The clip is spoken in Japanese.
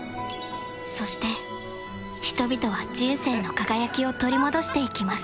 そして人々は人生の輝きを取り戻していきます